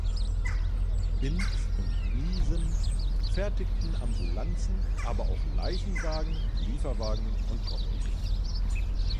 Binz und Miesen fertigten Ambulanzen, aber auch Leichenwagen, Lieferwagen und Kombis.